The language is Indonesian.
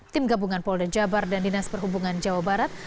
tim gabungan polda jabar dan dinas perhubungan jawa barat